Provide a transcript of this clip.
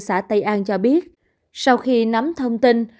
xã tây an cho biết sau khi nắm thông tin